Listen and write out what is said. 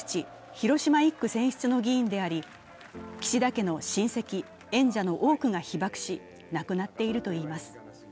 ・広島１区選出の議員であり岸田家の親戚・縁者の多くが亡くなっているといいいます。